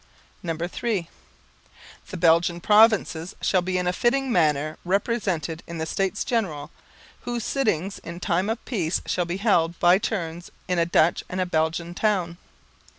_ (3) _The Belgian provinces shall be in a fitting manner represented in the States General, whose sittings in time of peace shall be held by turns in a Dutch and a Belgian town.